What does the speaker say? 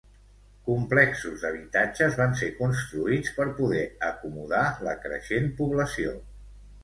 Complexos d'habitatges van ser construïts per poder acomodar la creixent població.